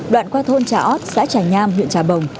đoạn qua thôn trà ót xã trà nham huyện trà bồng